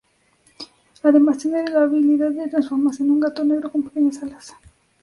Además, tiene la habilidad de transformarse en un gato negro con pequeñas alas.